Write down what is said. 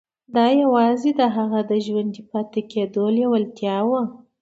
دا يوازې د هغه د ژوندي پاتې کېدو لېوالتیا وه.